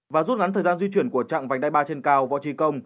và rút ngắn thời gian di chuyển của trạng vành đai ba trên cao võ trí công